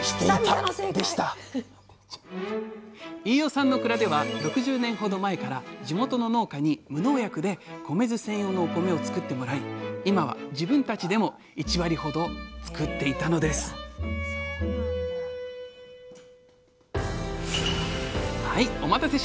飯尾さんの蔵では６０年ほど前から地元の農家に無農薬で米酢専用のお米をつくってもらい今は自分たちでも１割ほどつくっていたのですお待たせしました！